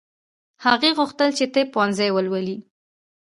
هغې غوښتل چې طب پوهنځی ولولي